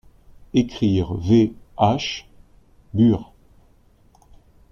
Ecrire VH, bur.